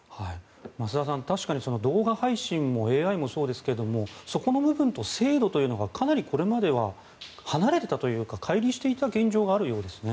増田さん、確かに動画配信もＡＩもそうですがそこの部分と制度というのがかなりこれまでは離れていたというかかい離していた現状があるようですね。